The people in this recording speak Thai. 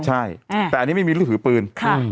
ใช่แต่อันนี้ไม่มีลูกถือปืน